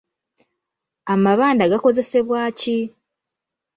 Amabanda gakozesebwa ki?